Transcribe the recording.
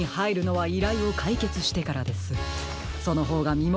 はい。